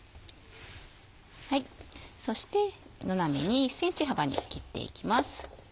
そして斜めに１ｃｍ幅に切っていきます。